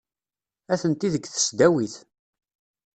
Atenti deg tesdawit.